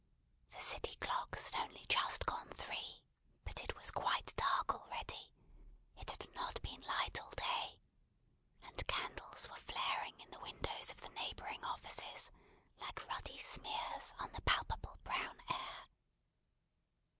The city clocks had only just gone three, but it was quite dark already it had not been light all day and candles were flaring in the windows of the neighbouring offices, like ruddy smears upon the palpable brown air.